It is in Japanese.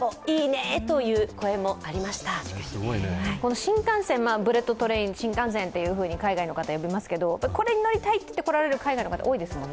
新幹線、ブレットトレイン、海外の方、呼びますが、これに乗りたいといって来られる海外の方、多いですよね。